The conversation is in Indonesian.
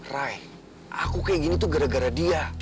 ry aku kayak gini tuh gara gara dia